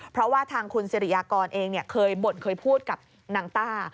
เพราะว่าทางคุณสิริยากรเองเคยบ่นเคยพูดกับนางต้า